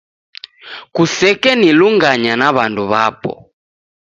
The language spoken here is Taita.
Kusekenilunganya na w'andu w'apo